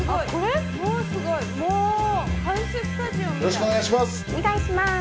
よろしくお願いします。